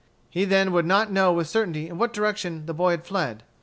He then would not know with certainty in what direction the boy had fled.